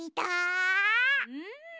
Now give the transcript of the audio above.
うん。